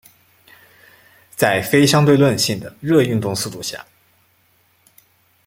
在非相对论性的热运动速度下。